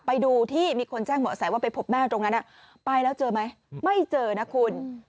ไปดูที่มีคนแจ้งเหมาะแสว่าไปพบแม่ตรงนั้นไปแล้วเจอไหมไม่เจอนะคุณ